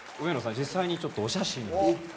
実際にちょっとお写真を。